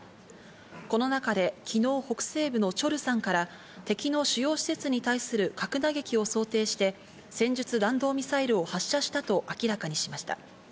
この中で昨日、北西部のチョルサンから敵の主要施設に対する核打撃を想定して、戦術弾道ミサイルを発射したと明らかにしました。